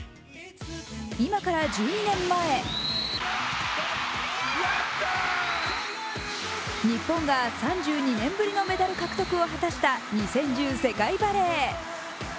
今から１２年前日本が３２年ぶりのメダル獲得を果たした２０１０世界バレー。